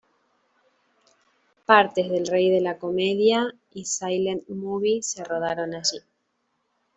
Partes de "El rey de la comedia" y Silent Movie se rodaron allí.